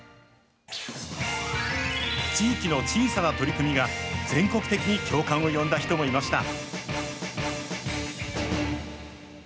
地域の小さな取り組みが全国的に共感を呼んだ人もいました。